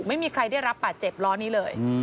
ไม่มีใครได้รับบาดเจ็บล้อนี้เลย